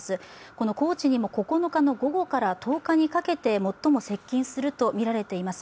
この高知にも９日の午後から１０日かけて最も接近するとみられています。